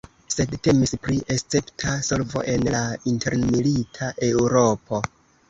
Sed temis pri escepta solvo en la intermilita Eŭropo.